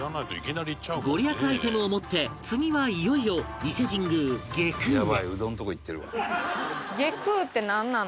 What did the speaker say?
ご利益アイテムを持って次はいよいよ伊勢神宮外宮へ